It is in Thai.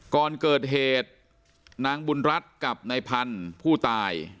ก่อนเกิดเหตุนางบุญรัฐกับนายพันธุ์ผู้ตาย